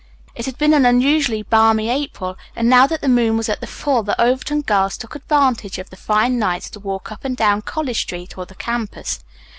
It had been an unusually balmy April and now that the moon was at the full, the Overton girls took advantage of the fine nights to walk up and down College Street or the campus.